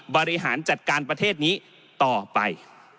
บริหารจัดการประเทศนี้ต่อไป